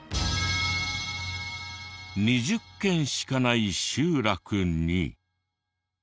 ２０軒しかない集落に。